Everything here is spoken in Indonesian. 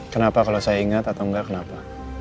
kenapa kalau saya ingat atau enggak kenapa